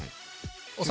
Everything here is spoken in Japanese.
お酒。